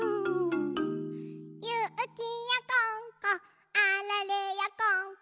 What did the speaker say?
「ゆきやこんこあられやこんこ」